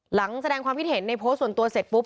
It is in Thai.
แสดงความคิดเห็นในโพสต์ส่วนตัวเสร็จปุ๊บ